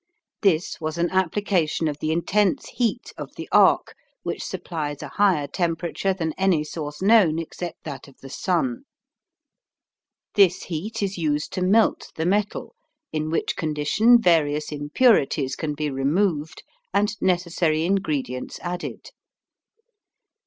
This was an application of the intense heat of the arc, which supplies a higher temperature than any source known except that of the sun. This heat is used to melt the metal, in which condition various impurities can be removed and necessary ingredients added.